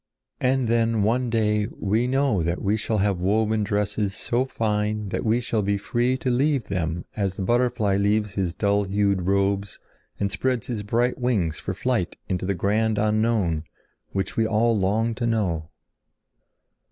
And then one day we know that we shall have woven dresses so fine that we shall be free to leave them as the butterfly leaves his dull hued robes and spreads his bright wings for flight into the grand unknown which we all long to know."